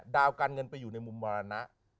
ดาวการเงินไปอยู่ในมุมมรณะ